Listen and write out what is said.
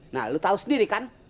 nah lu tahu sendiri kan